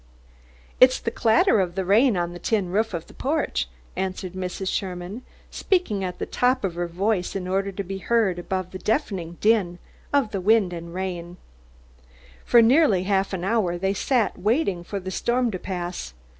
"It's the clatter of the rain on the tin roof of the porch," answered Mrs. Sherman, speaking at the top of her voice in order to be heard above the deafening din of the rain and wind. For nearly half an hour they sat waiting for the storm to pass.